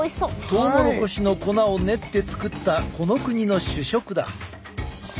トウモロコシの粉を練って作ったこの国の主食だ。